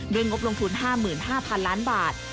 งบลงทุน๕๕๐๐๐ล้านบาท